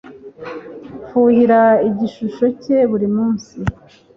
Mfuhira igishusho cye buri munsi